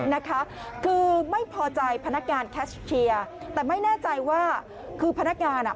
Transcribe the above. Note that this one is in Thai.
นะคะคือไม่พอใจพนักงานแคชเชียร์แต่ไม่แน่ใจว่าคือพนักงานอ่ะ